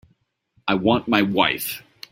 I want my wife.